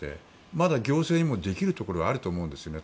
まだ行政にもできるところがあると思うんですよね。